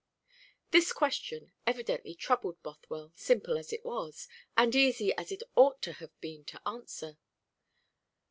This question evidently troubled Bothwell, simple as it was, and easy as it ought to have been to answer.